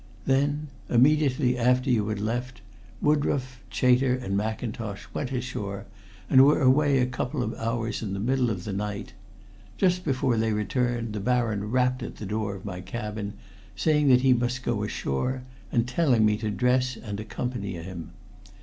Then immediately after you had left, Woodroffe, Chater and Mackintosh went ashore and were away a couple of hours in the middle of the night. Just before they returned the Baron rapped at the door of my cabin saying that he must go ashore, and telling me to dress and accompany him.